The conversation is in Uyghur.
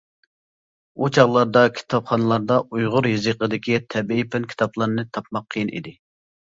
ئۇ چاغلاردا كىتابخانىلاردا ئۇيغۇر يېزىقىدىكى تەبىئىي پەن كىتابلارنى تاپماق قىيىن ئىدى.